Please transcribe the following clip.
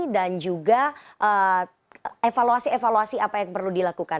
dan juga evaluasi evaluasi apa yang perlu dilakukan